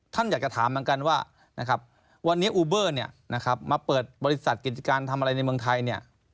ท่านอยากจะถามเหมือนกันว่าวันนี้อูเบอร์มาเปิดบริษัทกิจการทำอะไรในเมืองไทย